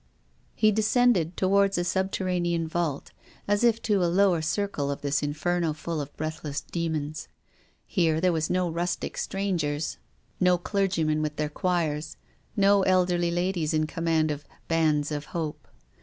He descended towards a subterranean vault: as if to a lower circle of this inferno full of breath less (lemons. I Icrc there were no rustic strangers, *3 il4 TONGUES OF CONSCIENCE. no clergymen with their choirs, no elderly ladies in command of " Bands of Hope."